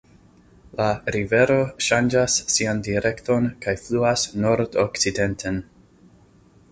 La rivero ŝanĝas sian direkton kaj fluas nordokcidenten.